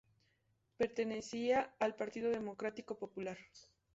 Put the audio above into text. Pertenecía al Partido Democrático Popular.